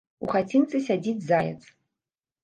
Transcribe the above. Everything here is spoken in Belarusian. У хацінцы сядзіць заяц.